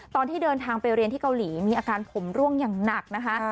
ตอนที่เดินทางไปเรียนที่เกาหลีมีอาการผมร่วงอย่างหนักนะคะ